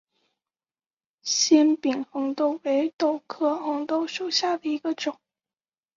纤柄红豆为豆科红豆属下的一个种。